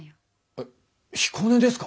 えっ彦根ですか！？